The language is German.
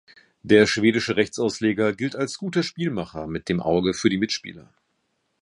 Der schwedische Rechtsausleger gilt als guter Spielmacher mit dem Auge für die Mitspieler.